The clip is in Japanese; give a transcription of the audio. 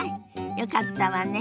よかったわね。